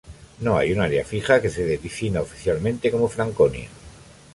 No hay un área fija que se defina oficialmente como Franconia.